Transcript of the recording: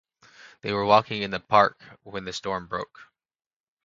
They were walking in the park when the storm broke.